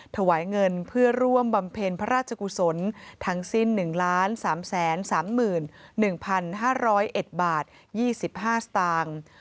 ถวายเงินเพื่อร่วมบำเพ็ญพระราชกุศลทั้งสิ้น๑๓๓๑๕๐๑บาท๒๕สตางค์